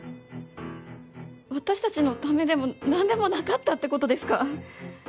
私たちのためでも何でもなかったってことですか？